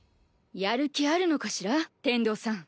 やる気あるのかしら天童さん？